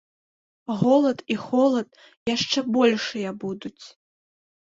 Голад і холад яшчэ большыя будуць.